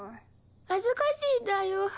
恥ずかしいんだよ。